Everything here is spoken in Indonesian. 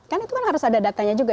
kan itu kan harus ada datanya juga